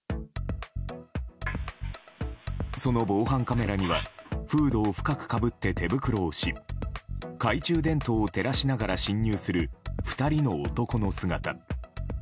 その防犯カメラにはフードを深くかぶって手袋をし懐中電灯を照らしながら侵入する２人の男の姿が。